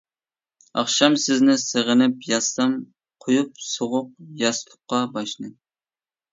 ئاخشام سىزنى سېغىنىپ ياتسام، قۇيۇپ سوغۇق ياستۇققا باشنى.